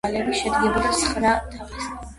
მალები შედგებოდა ცხრა თაღისაგან.